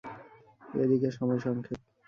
এ দিকে সময়সংক্ষেপ।